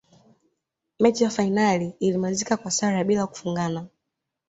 mechi ya fainali ilimalizika kwa sare ya bila kufungana